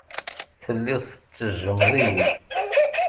Telliḍ tettejjmeḍ-iyi.